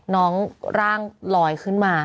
น้องร่างลอยขึ้นมา